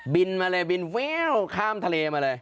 บินมาเลยบินข้ามทะเลมาเลย